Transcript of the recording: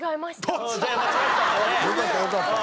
よかったよかった。